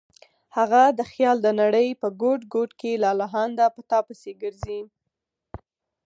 هغه د خیال د نړۍ په ګوټ ګوټ کې لالهانده په تا پسې ګرځي.